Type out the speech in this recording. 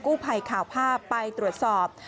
กู้ไพรข่าวภาพไปตรวจสอบ